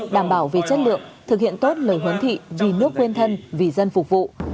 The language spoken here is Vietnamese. đảm bảo về chất lượng thực hiện tốt lời huấn thị vì nước quên thân vì dân phục vụ